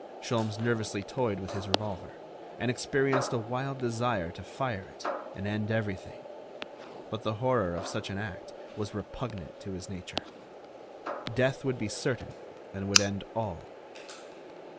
Sholmes nervously toyed with his revolver, and experienced a wild desire to fire it and end everything; but the horror of such an act was repugnant to his nature. Death would be certain and would end all.